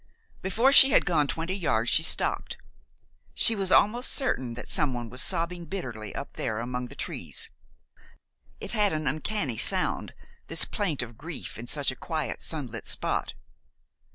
Before she had gone twenty yards she stopped. She was almost certain that someone was sobbing bitterly up there among the trees. It had an uncanny sound, this plaint of grief in such a quiet, sunlit spot.